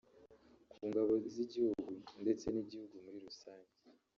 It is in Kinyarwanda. ku ngabo z’igihugu ndetse n’igihugu muri rusange